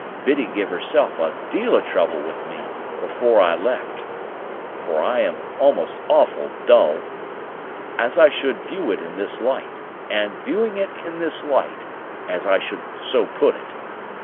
Biddy giv' herself a deal o' trouble with me afore I left (for I am almost awful dull), as I should view it in this light, and, viewing it in this light, as I should so put it.